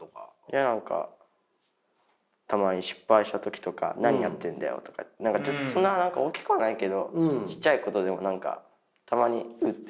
何かたまに失敗した時とか「何やってんだよ」とかそんな何か大きくはないけどちっちゃいことでも何かたまにウッて来ちゃう。